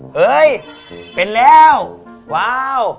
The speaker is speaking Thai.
เฮ้ยเป็นแล้วว้าว